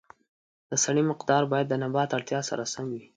د سرې مقدار باید د نبات اړتیا سره سم وي.